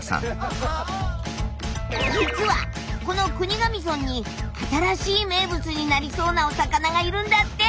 実はこの国頭村に新しい名物になりそうなお魚がいるんだって！